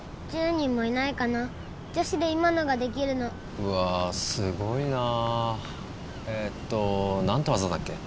１０人もいないかな女子で今のができるのうわあすごいなあえーっと何て技だっけ？